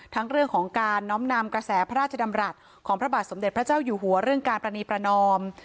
ทั้งเรื่องของการน้อมนำกระแสพระราชดำรัฐของพระบาทสมเด็จพระเจ้าอยู่หัวเรื่องการประนีประนอม